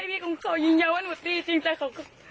ไม่พี่กงโศยืนยันว่าหนูตีจริงแต่เขาก็